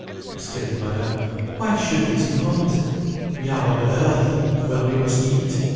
exclaimed Madame. "Why should it not? We are on earth, where we must eat.